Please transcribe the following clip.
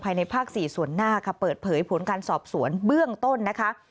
ในภาค๔ส่วนหน้าค่ะเปิดเผยผลการสอบสวนเบื้องต้นนะคะ